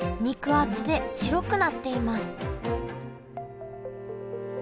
肉厚で白くなっています